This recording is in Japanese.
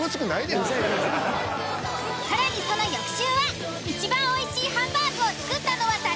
更にその翌週はいちばんおいしいハンバーグを作ったのは誰？